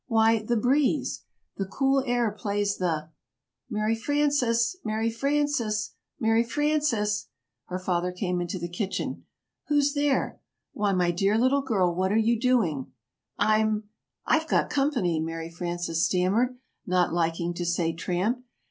"Why, the breeze! The cool air plays the " "Mary Frances!" "Mary Frances!" "Mary Frances!" [Illustration: "Be gone!"] Her father came into the kitchen. "Who's there? Why, my dear little girl, what are you doing?" "I'm I've got company," Mary Frances stammered, not liking to say tramp.